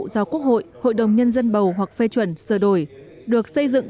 do quốc hội hội đồng nhân dân bầu hoặc phê chuẩn sơ đổi được xây dựng